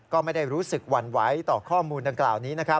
ก็ไม่ได้รู้สึกหวั่นไหวต่อข้อมูลดังกล่าวนี้นะครับ